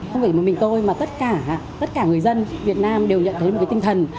không phải một mình tôi mà tất cả tất cả người dân việt nam đều nhận thấy một cái tinh thần